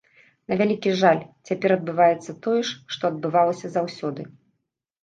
На вялікі жаль, цяпер адбываецца тое ж, што адбывалася заўсёды.